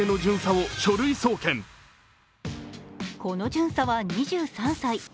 この巡査長は２３歳。